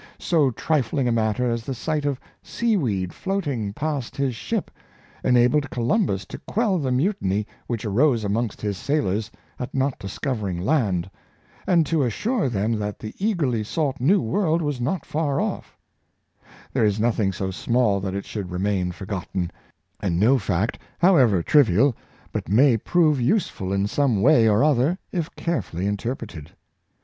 So trifling a matter as the sight of seaweed floating past his ship enabled Columbus to quell the mutiny which arose amongst his sailors at not discovering land, and to assure them that the eagerly sought New World was not far offl There is nothing so small that it should remain forgotten; and no fact, however trivial, but may prove useful in some way or other if carefully interpre ted.